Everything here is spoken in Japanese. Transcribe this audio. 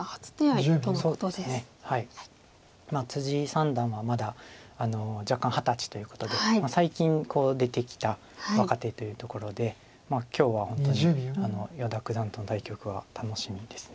三段はまだ弱冠二十歳ということで最近出てきた若手というところで今日は本当に依田九段との対局は楽しみです。